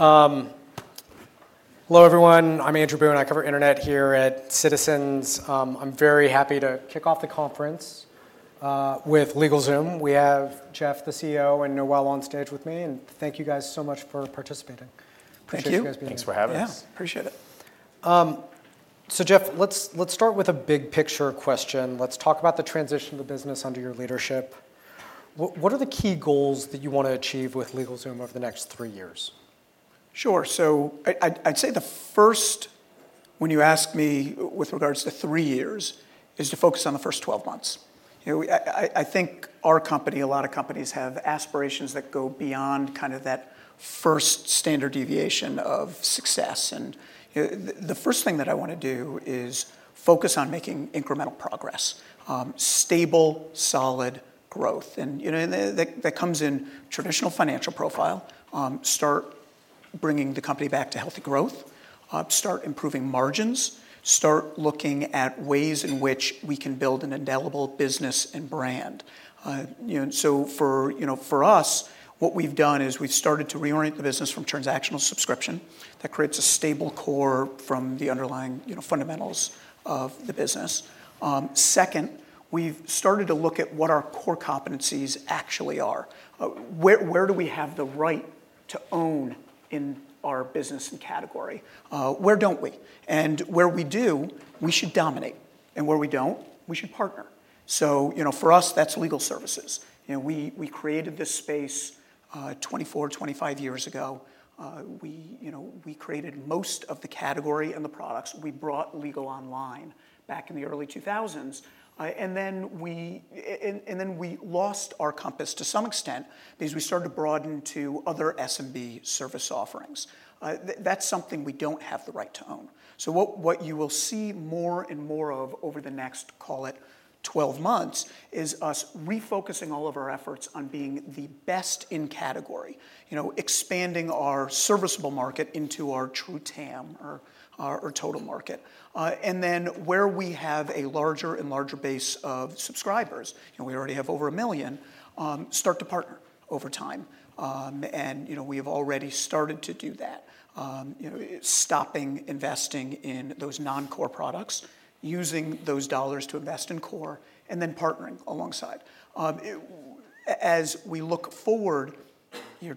Hello, everyone. I'm Andrew Boone. I cover internet here at Citizens. I'm very happy to kick off the conference with LegalZoom. We have Jeff, the CEO, and Noel on stage with me. Thank you guys so much for participating. Thank you. Thanks for having us. Yeah, appreciate it. Jeff, let's start with a big picture question. Let's talk about the transition to business under your leadership. What are the key goals that you want to achieve with LegalZoom over the next three years? Sure. I'd say the first, when you ask me with regards to three years, is to focus on the first 12 months. I think our company, a lot of companies, have aspirations that go beyond kind of that first standard deviation of success. The first thing that I want to do is focus on making incremental progress, stable, solid growth. That comes in traditional financial profile, start bringing the company back to healthy growth, start improving margins, start looking at ways in which we can build an indelible business and brand. For us, what we've done is we've started to reorient the business from transactional subscription. That creates a stable core from the underlying fundamentals of the business. Second, we've started to look at what our core competencies actually are. Where do we have the right to own in our business and category? Where don't we? Where we do, we should dominate. Where we do not, we should partner. For us, that is legal services. We created this space 24, 25 years ago. We created most of the category and the products. We brought legal online back in the early 2000s. We lost our compass to some extent because we started to broaden to other SMB service offerings. That is something we do not have the right to own. What you will see more and more of over the next, call it, 12 months is us refocusing all of our efforts on being the best in category, expanding our serviceable market into our true TAM or total market. Where we have a larger and larger base of subscribers, we already have over a million, we start to partner over time. We have already started to do that, stopping investing in those non-core products, using those dollars to invest in core, and then partnering alongside. As we look forward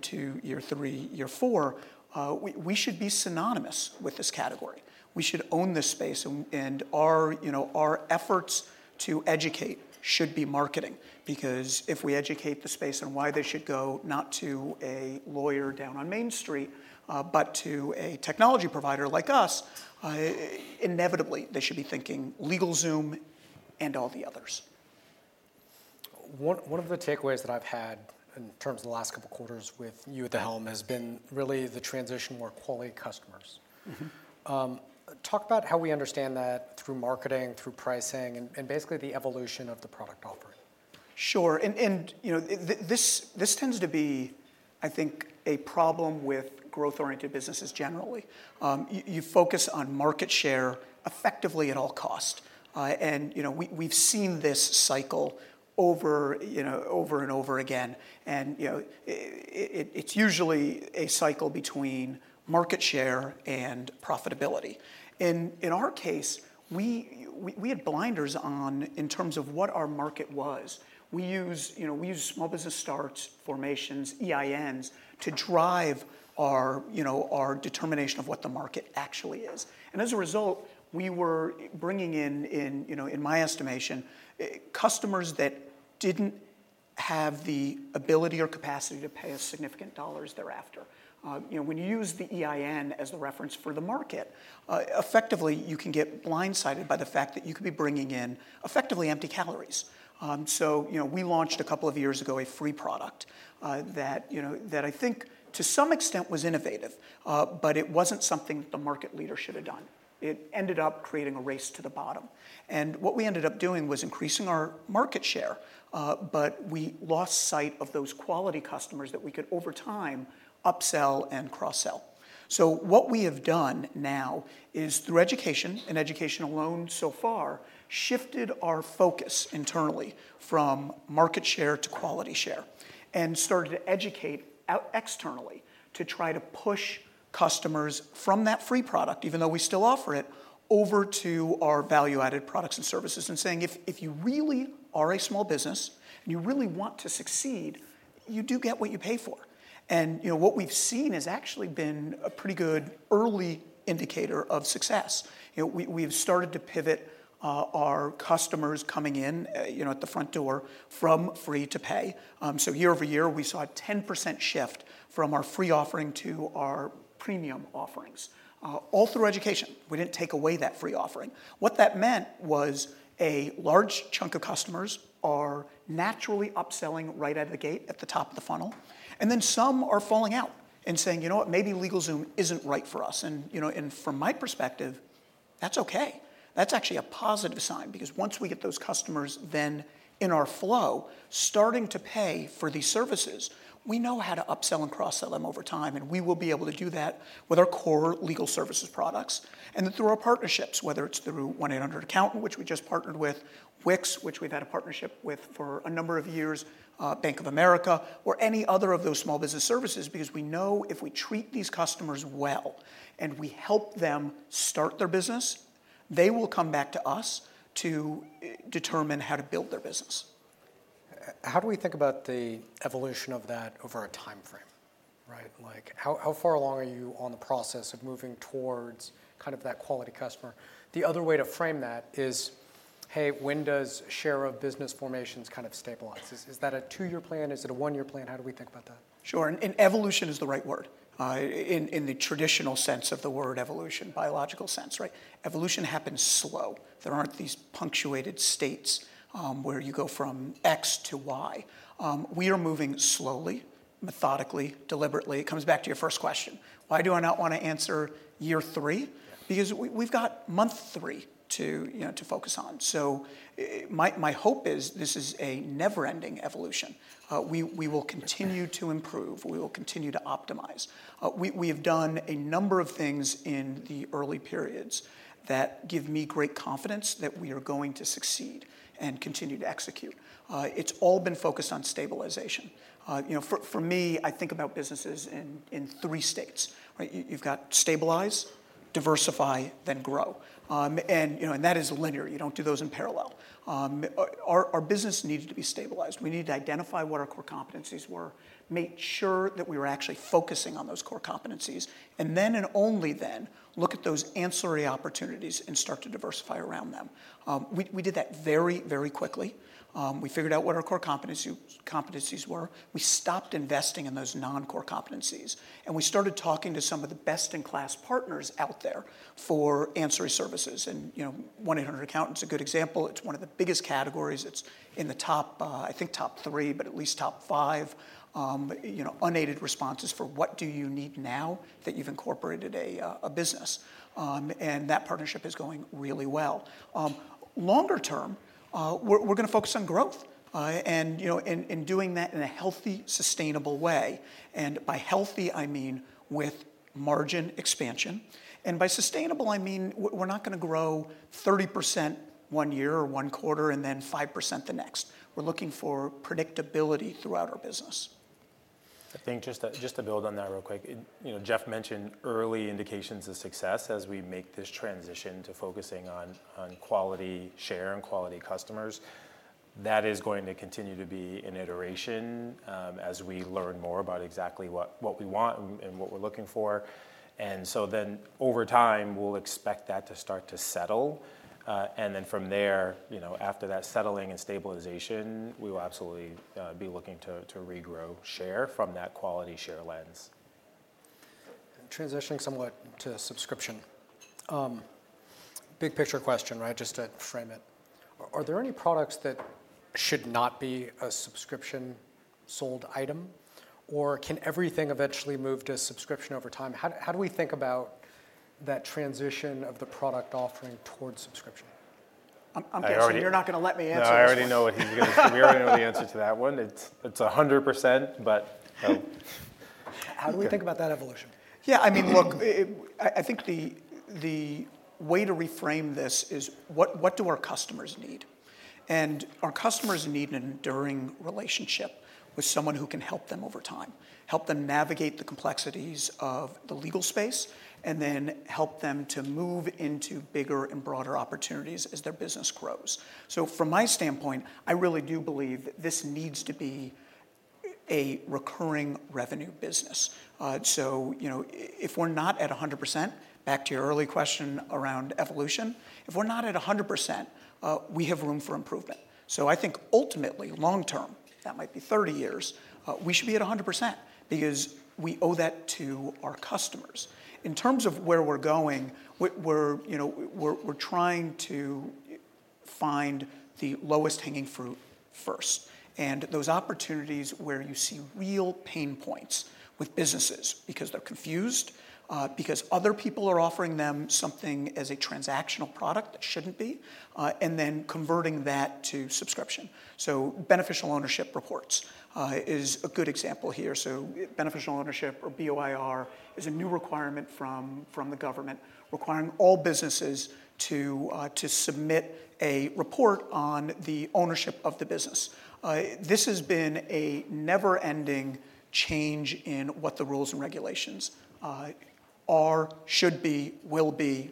to year three, year four, we should be synonymous with this category. We should own this space. Our efforts to educate should be marketing. Because if we educate the space on why they should go not to a lawyer down on Main Street, but to a technology provider like us, inevitably, they should be thinking LegalZoom and all the others. One of the takeaways that I've had in terms of the last couple of quarters with you at the helm has been really the transition to more quality customers. Talk about how we understand that through marketing, through pricing, and basically the evolution of the product offering. Sure. This tends to be, I think, a problem with growth-oriented businesses generally. You focus on market share effectively at all costs. We've seen this cycle over and over again. It's usually a cycle between market share and profitability. In our case, we had blinders on in terms of what our market was. We use small business starts, formations, EINs to drive our determination of what the market actually is. As a result, we were bringing in, in my estimation, customers that didn't have the ability or capacity to pay us significant dollars thereafter. When you use the EIN as the reference for the market, effectively, you can get blindsided by the fact that you could be bringing in effectively empty calories. We launched a couple of years ago a free product that I think to some extent was innovative, but it wasn't something that the market leader should have done. It ended up creating a race to the bottom. What we ended up doing was increasing our market share, but we lost sight of those quality customers that we could over time upsell and cross-sell. What we have done now is through education and education alone so far, shifted our focus internally from market share to quality share and started to educate externally to try to push customers from that free product, even though we still offer it, over to our value-added products and services and saying, if you really are a small business and you really want to succeed, you do get what you pay for. What we've seen has actually been a pretty good early indicator of success. We've started to pivot our customers coming in at the front door from free to pay. Year over year, we saw a 10% shift from our free offering to our premium offerings, all through education. We didn't take away that free offering. What that meant was a large chunk of customers are naturally upselling right out of the gate at the top of the funnel. Some are falling out and saying, you know what, maybe LegalZoom isn't right for us. From my perspective, that's OK. That's actually a positive sign. Because once we get those customers, then in our flow, starting to pay for these services, we know how to upsell and cross-sell them over time. We will be able to do that with our core legal services products and through our partnerships, whether it's through 1-800Accountant, which we just partnered with, Wix, which we've had a partnership with for a number of years, Bank of America, or any other of those small business services. Because we know if we treat these customers well and we help them start their business, they will come back to us to determine how to build their business. How do we think about the evolution of that over a time frame? How far along are you on the process of moving towards kind of that quality customer? The other way to frame that is, hey, when does share of business formations kind of stabilize? Is that a two-year plan? Is it a one-year plan? How do we think about that? Sure. Evolution is the right word in the traditional sense of the word evolution, biological sense. Evolution happens slow. There are not these punctuated states where you go from X to Y. We are moving slowly, methodically, deliberately. It comes back to your first question. Why do I not want to answer year three? Because we have got month three to focus on. My hope is this is a never-ending evolution. We will continue to improve. We will continue to optimize. We have done a number of things in the early periods that give me great confidence that we are going to succeed and continue to execute. It is all been focused on stabilization. For me, I think about businesses in three states. You have got stabilize, diversify, then grow. That is linear. You do not do those in parallel. Our business needed to be stabilized. We needed to identify what our core competencies were, make sure that we were actually focusing on those core competencies, and then only then look at those answering opportunities and start to diversify around them. We did that very, very quickly. We figured out what our core competencies were. We stopped investing in those non-core competencies. We started talking to some of the best-in-class partners out there for answering services. 1-800Accountant is a good example. It is one of the biggest categories. It is in the top, I think, top three, but at least top five unaided responses for what do you need now that you have incorporated a business. That partnership is going really well. Longer term, we are going to focus on growth and doing that in a healthy, sustainable way. By healthy, I mean with margin expansion. By sustainable, I mean we're not going to grow 30% one year or one quarter and then 5% the next. We're looking for predictability throughout our business. I think just to build on that real quick, Jeff mentioned early indications of success as we make this transition to focusing on quality share and quality customers. That is going to continue to be an iteration as we learn more about exactly what we want and what we're looking for. Over time, we'll expect that to start to settle. From there, after that settling and stabilization, we will absolutely be looking to regrow share from that quality share lens. Transitioning somewhat to subscription. Big picture question, just to frame it. Are there any products that should not be a subscription sold item? Or can everything eventually move to subscription over time? How do we think about that transition of the product offering towards subscription? I'm guessing you're not going to let me answer this. I already know what he's going to say. We already know the answer to that one. It's 100%, but. How do we think about that evolution? Yeah, I mean, look, I think the way to reframe this is what do our customers need? And our customers need an enduring relationship with someone who can help them over time, help them navigate the complexities of the legal space, and then help them to move into bigger and broader opportunities as their business grows. From my standpoint, I really do believe this needs to be a recurring revenue business. If we're not at 100%, back to your early question around evolution, if we're not at 100%, we have room for improvement. I think ultimately, long term, that might be 30 years, we should be at 100% because we owe that to our customers. In terms of where we're going, we're trying to find the lowest hanging fruit first. Those opportunities where you see real pain points with businesses because they're confused, because other people are offering them something as a transactional product that shouldn't be, and then converting that to subscription. Beneficial ownership reports is a good example here. Beneficial ownership or BOIR is a new requirement from the government requiring all businesses to submit a report on the ownership of the business. This has been a never-ending change in what the rules and regulations are, should be, will be,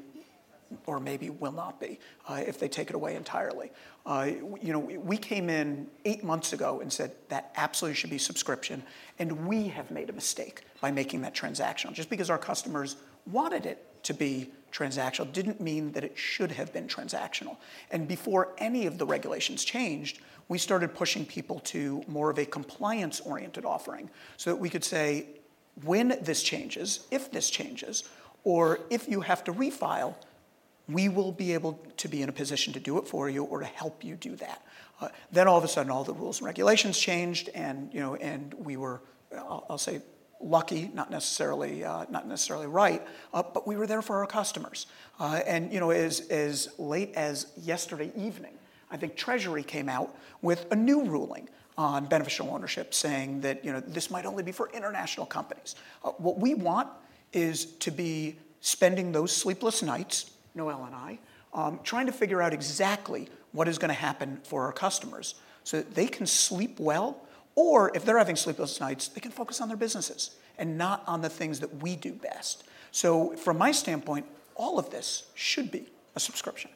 or maybe will not be if they take it away entirely. We came in eight months ago and said that absolutely should be subscription. We have made a mistake by making that transactional. Just because our customers wanted it to be transactional didn't mean that it should have been transactional. Before any of the regulations changed, we started pushing people to more of a compliance-oriented offering so that we could say, when this changes, if this changes, or if you have to refile, we will be able to be in a position to do it for you or to help you do that. All of a sudden, all the rules and regulations changed. We were, I'll say, lucky, not necessarily right, but we were there for our customers. As late as yesterday evening, I think Treasury came out with a new ruling on beneficial ownership saying that this might only be for international companies. What we want is to be spending those sleepless nights, Noel and I, trying to figure out exactly what is going to happen for our customers so that they can sleep well. If they're having sleepless nights, they can focus on their businesses and not on the things that we do best. From my standpoint, all of this should be a subscription.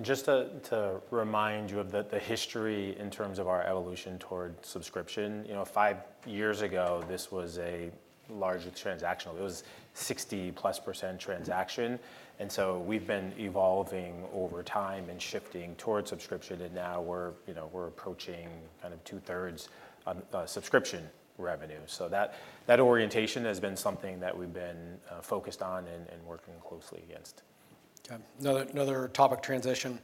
Just to remind you of the history in terms of our evolution toward subscription, five years ago, this was a large transactional. It was 60%+ transaction. We have been evolving over time and shifting toward subscription. Now we are approaching kind of 2/3 subscription revenue. That orientation has been something that we have been focused on and working closely against. Another topic transition.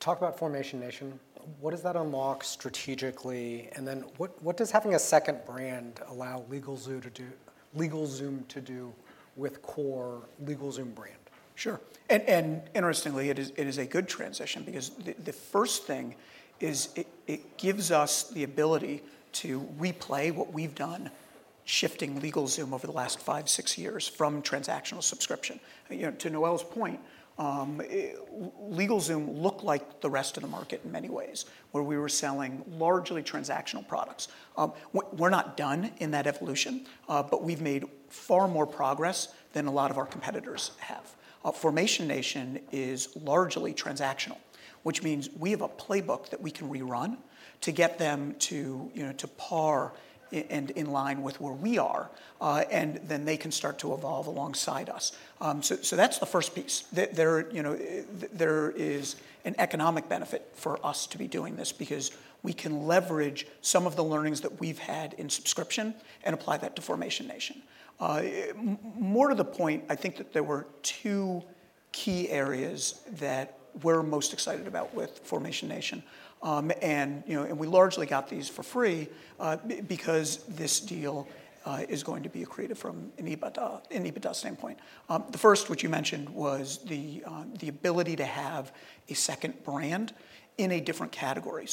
Talk about Formation Nation. What does that unlock strategically? What does having a second brand allow LegalZoom to do with core LegalZoom brand? Sure. Interestingly, it is a good transition because the first thing is it gives us the ability to replay what we've done, shifting LegalZoom over the last five, six years from transactional subscription. To Noel's point, LegalZoom looked like the rest of the market in many ways, where we were selling largely transactional products. We're not done in that evolution, but we've made far more progress than a lot of our competitors have. Formation Nation is largely transactional, which means we have a playbook that we can rerun to get them to par and in line with where we are, and then they can start to evolve alongside us. That's the first piece. There is an economic benefit for us to be doing this because we can leverage some of the learnings that we've had in subscription and apply that to Formation Nation. More to the point, I think that there were two key areas that we're most excited about with Formation Nation. We largely got these for free because this deal is going to be created from an EBITDA standpoint. The first, which you mentioned, was the ability to have a second brand in a different category.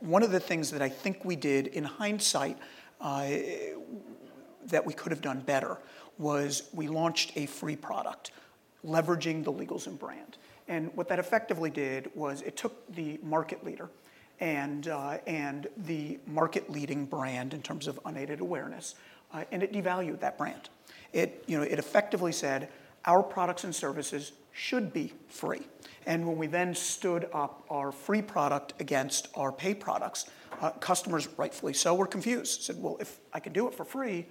One of the things that I think we did in hindsight that we could have done better was we launched a free product leveraging the LegalZoom brand. What that effectively did was it took the market leader and the market leading brand in terms of unaided awareness, and it devalued that brand. It effectively said, our products and services should be free. When we then stood up our free product against our pay products, customers, rightfully so, were confused. If I can do it for free,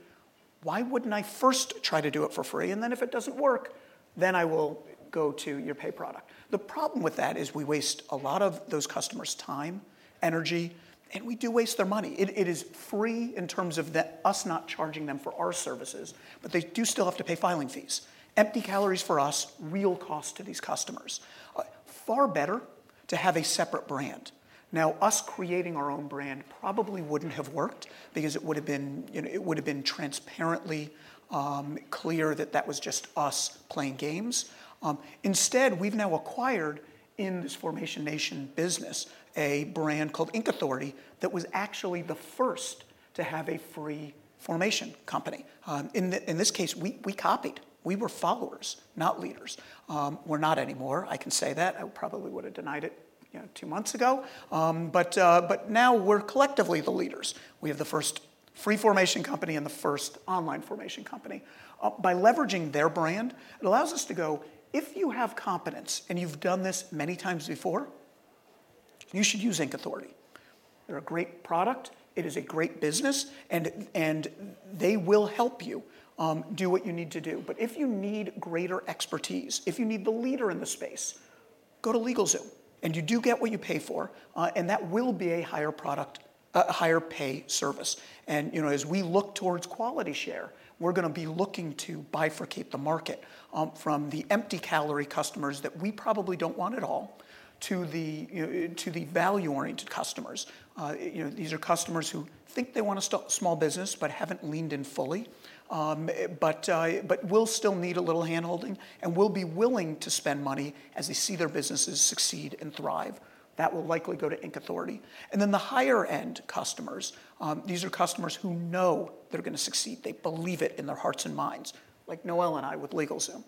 why wouldn't I first try to do it for free? And then if it doesn't work, then I will go to your pay product. The problem with that is we waste a lot of those customers' time, energy, and we do waste their money. It is free in terms of us not charging them for our services, but they do still have to pay filing fees. Empty calories for us, real cost to these customers. Far better to have a separate brand. Now, us creating our own brand probably wouldn't have worked because it would have been transparently clear that that was just us playing games. Instead, we've now acquired in this Formation Nation business a brand called Inc Authority that was actually the first to have a free formation company. In this case, we copied. We were followers, not leaders. We're not anymore. I can say that. I probably would have denied it two months ago. Now we're collectively the leaders. We have the first free formation company and the first online formation company. By leveraging their brand, it allows us to go, if you have competence and you've done this many times before, you should use Inc Authority. They're a great product. It is a great business. They will help you do what you need to do. If you need greater expertise, if you need the leader in the space, go to LegalZoom. You do get what you pay for. That will be a higher pay service. As we look towards quality share, we're going to be looking to bifurcate the market from the empty calorie customers that we probably don't want at all to the value-oriented customers. These are customers who think they want to start small business but have not leaned in fully, but will still need a little handholding and will be willing to spend money as they see their businesses succeed and thrive. That will likely go to Inc Authority. The higher-end customers, these are customers who know they are going to succeed. They believe it in their hearts and minds, like Noel and I with LegalZoom.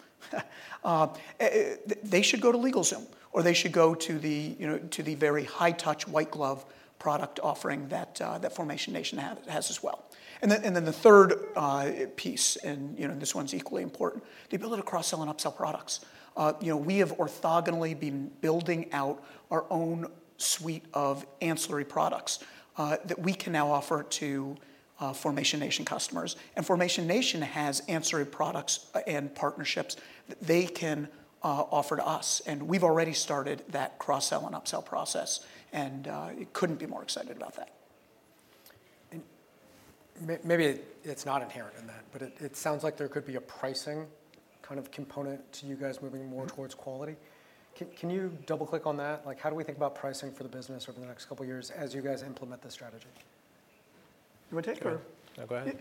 They should go to LegalZoom, or they should go to the very high-touch white glove product offering that Formation Nation has as well. The third piece, and this one is equally important, is the ability to cross-sell and upsell products. We have orthogonally been building out our own suite of answering products that we can now offer to Formation Nation customers. Formation Nation has answering products and partnerships that they can offer to us. We have already started that cross-sell and upsell process. I could not be more excited about that. Maybe it's not inherent in that, but it sounds like there could be a pricing kind of component to you guys moving more towards quality. Can you double-click on that? How do we think about pricing for the business over the next couple of years as you guys implement the strategy? You want to take it or? No, go ahead.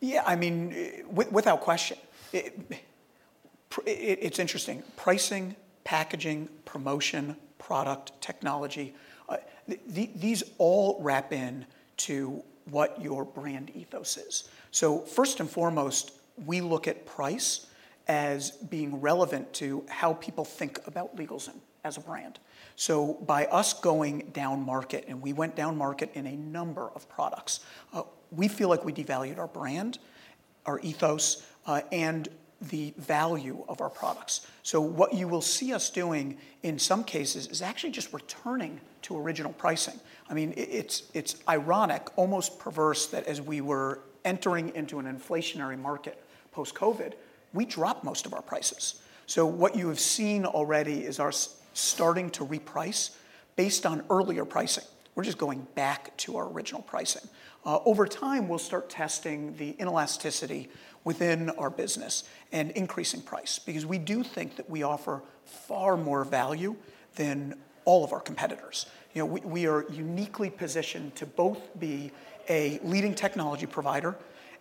Yeah, I mean, without question. It's interesting. Pricing, packaging, promotion, product, technology, these all wrap into what your brand ethos is. First and foremost, we look at price as being relevant to how people think about LegalZoom as a brand. By us going down market, and we went down market in a number of products, we feel like we devalued our brand, our ethos, and the value of our products. What you will see us doing in some cases is actually just returning to original pricing. I mean, it's ironic, almost perverse that as we were entering into an inflationary market post-COVID, we dropped most of our prices. What you have seen already is our starting to reprice based on earlier pricing. We're just going back to our original pricing. Over time, we'll start testing the inelasticity within our business and increasing price because we do think that we offer far more value than all of our competitors. We are uniquely positioned to both be a leading technology provider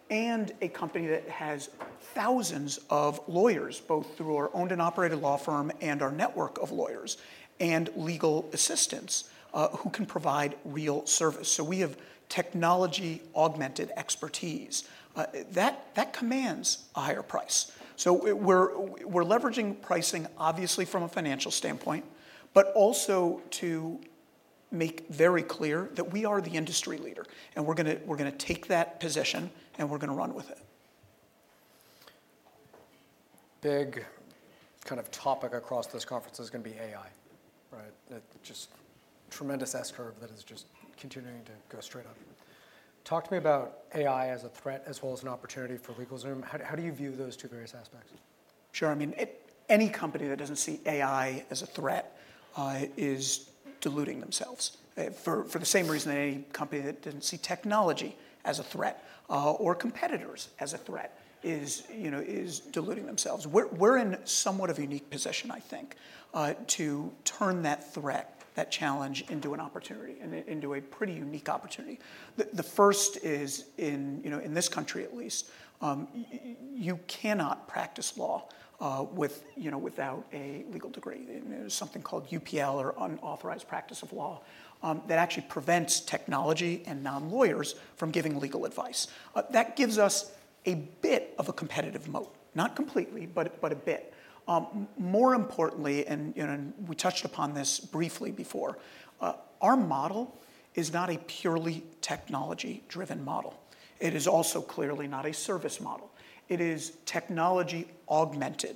and a company that has thousands of lawyers, both through our owned and operated law firm and our network of lawyers and legal assistants who can provide real service. We have technology-augmented expertise. That commands a higher price. We're leveraging pricing, obviously, from a financial standpoint, but also to make very clear that we are the industry leader. We're going to take that position, and we're going to run with it. Big kind of topic across this conference is going to be AI, right? Just tremendous S-curve that is just continuing to go straight up. Talk to me about AI as a threat as well as an opportunity for LegalZoom. How do you view those two various aspects? Sure. I mean, any company that doesn't see AI as a threat is diluting themselves for the same reason that any company that didn't see technology as a threat or competitors as a threat is diluting themselves. We're in somewhat of a unique position, I think, to turn that threat, that challenge, into an opportunity and into a pretty unique opportunity. The first is, in this country at least, you cannot practice law without a legal degree. There's something called UPL or unauthorized practice of law that actually prevents technology and non-lawyers from giving legal advice. That gives us a bit of a competitive moat. Not completely, but a bit. More importantly, and we touched upon this briefly before, our model is not a purely technology-driven model. It is also clearly not a service model. It is technology-augmented.